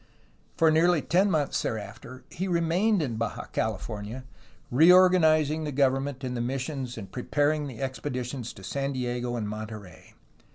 For nearly ten months thereafter, he remained in Baja CaHf ornia, reorganizing the government and the missions and preparing the expeditions to San Diego and Monterey.